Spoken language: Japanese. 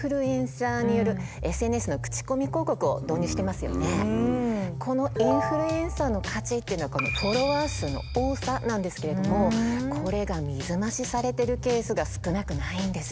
ですのでさあ高橋さん実は最近このインフルエンサーの価値っていうのはフォロワー数の多さなんですけれどもこれが水増しされてるケースが少なくないんです。